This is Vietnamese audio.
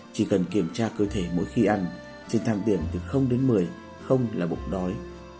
chỉ cần kiểm tra cơ thể mỗi khi ăn trên thang tiền từ đến một mươi là bụng đói